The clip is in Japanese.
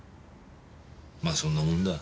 まそんなもんだ。